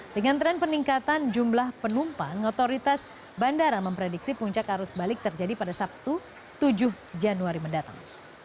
dengan tren peningkatan jumlah penumpang otoritas bandara memprediksi puncak arus balik terjadi pada sabtu tujuh januari mendatang